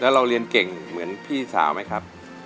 เราเรียนเก่งเหมือนพี่สาวไหมครับ